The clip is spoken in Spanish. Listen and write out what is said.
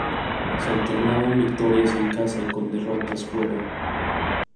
Se alternaban victorias en casa con derrotas fuera.